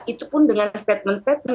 itu pun dengan statement statement